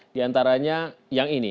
di antaranya yang ini